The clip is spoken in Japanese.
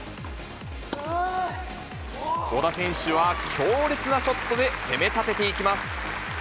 小田選手は強烈なショットで攻めたてていきます。